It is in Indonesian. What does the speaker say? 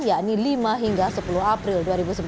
yakni lima hingga sepuluh april dua ribu sembilan belas